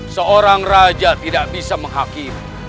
seorang raja tidak bisa menghakimi